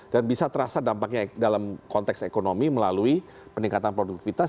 dan bisa terasa dampaknya dalam konteks ekonomi melalui peningkatan produktivitas